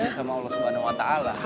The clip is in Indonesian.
sama allah swt